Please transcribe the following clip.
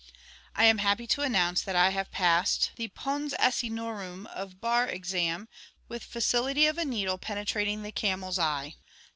_ I am happy to announce that I have passed the pons asinorum of Bar Exam with facility of a needle penetrating the camel's eye.